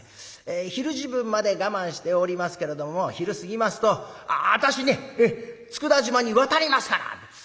昼時分まで我慢しておりますけれども昼過ぎますと「私ね佃島に渡りますから」。